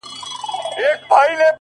اوس پر ما لري ـ